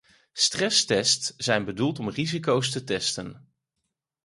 Stresstests zijn bedoeld om risico's te testen.